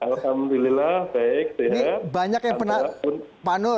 alhamdulillah baik sehat